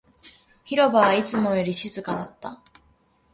広場はいつもよりも静かだった